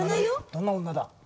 どんな女だ？